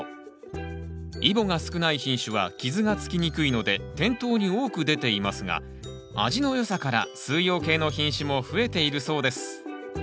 イボが少ない品種は傷がつきにくいので店頭に多く出ていますが味のよさから四葉系の品種も増えているそうです